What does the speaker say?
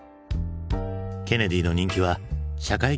ケネディの人気は社会現象に。